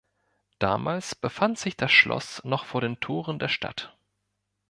Damals befand sich das Schloss noch vor den Toren der Stadt.